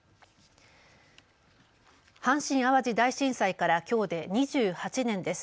阪神・淡路大震災からきょうで２８年です。